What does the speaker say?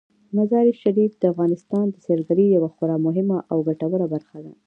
مزارشریف د افغانستان د سیلګرۍ یوه خورا مهمه او ګټوره برخه ده.